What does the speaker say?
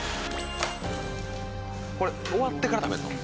これ終わってから食べんの？